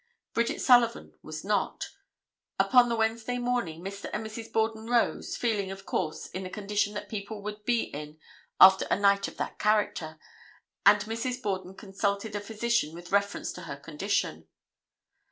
Bridget Sullivan was not. Upon the Wednesday morning Mr. and Mrs. Borden rose, feeling, of course, in the condition that people would be in after a night of that character, and Mrs. Borden consulted a physician with reference to her condition.